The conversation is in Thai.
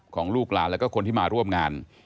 ลูกหลานแล้วก็คนที่มาร่วมงาน